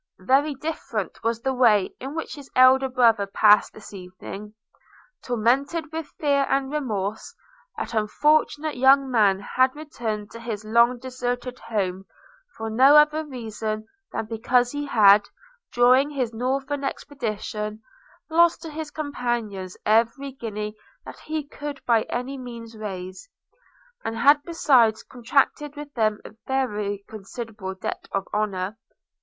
Very different was the way in which his elder brother passed this evening. Tormented with fear and remorse, that unfortunate young man had returned to his long deserted home, for no other reason than because he had, during his northern expedition, lost to his companions every guinea that he could by any means raise, and had besides contracted with them a very considerable debt of honour.